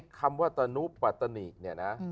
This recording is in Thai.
คำว่าตนุปัตตนิเนี่ยนะ